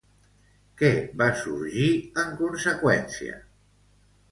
Què va sorgir, en conseqüència?